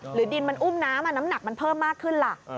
ดินมันอุ้มน้ำน้ำหนักมันเพิ่มมากขึ้นล่ะ